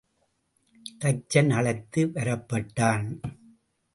தச்சன் அழைத்து வரப்பட்டான்.